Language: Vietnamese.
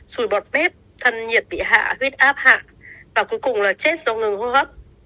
sùi bọt pép thân nhiệt bị hạ huyết áp hạ và cuối cùng là chết do ngừng hô hấp